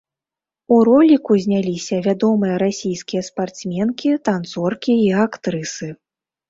У роліку зняліся вядомыя расійскія спартсменкі, танцоркі і актрысы.